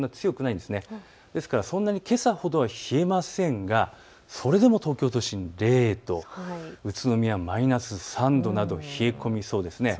ですからそんなにけさほどは冷えませんがそれでも東京都心０度、宇都宮マイナス３度など冷え込みそうです。